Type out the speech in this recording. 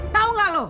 tau gak lu